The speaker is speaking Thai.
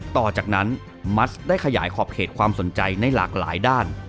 ต่อจากนั้นมัสได้ขยายขอบเขตความสนใจในหลากหลายด้าน